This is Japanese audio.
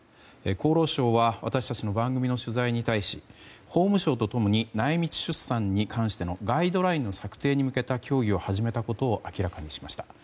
厚労省は私たちの番組の取材に対し法務省と共に内密出産に関してのガイドラインの策定に向けた協議を始めたことを明らかにしました。